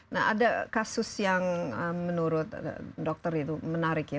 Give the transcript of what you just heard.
nah ada kasus yang menurut dokter itu menarik ya